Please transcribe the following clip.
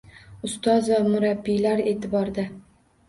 Ustoz va murabbiylar e’tiborda